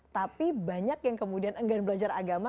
tapi banyak yang kemudian enggan belajar agama